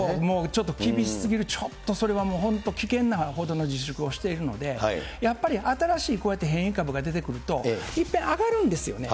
ちょっと厳しすぎる、本当、危険なほどの自粛をしているので、やっぱり新しいこうやって変異株が出てくると、いっぺん上がるんですよね。